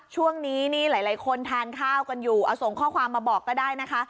ช่วงนี้นี่หลายคนทานข้าวกันอยู่เอาส่งข้อความมาบอกก็ได้นะคะ